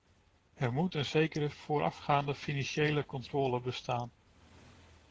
Er moet een zekere voorafgaande financiële controle bestaan.